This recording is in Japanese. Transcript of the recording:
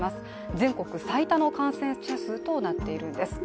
全国最多の感染者数となっているんです。